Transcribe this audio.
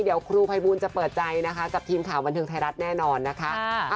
เดี๋ยวครูภัยบูลจะเปิดใจนะคะกับทีมข่าวบันเทิงไทยรัฐแน่นอนนะคะ